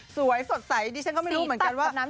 สวยกว่าสดใสเช่นก็ไม่รู้เหมือนกันว่า